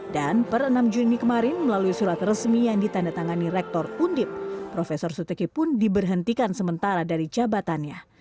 dan per enam juni kemarin melalui surat resmi yang ditandatangani rektor undip profesor suteki pun diberhentikan sementara dari jabatannya